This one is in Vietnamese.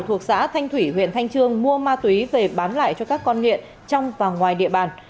thuộc xã thanh thủy huyện thanh trương mua ma túy về bán lại cho các con nghiện trong và ngoài địa bàn